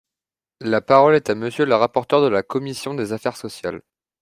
La parole est à Monsieur le rapporteur de la commission des affaires sociales.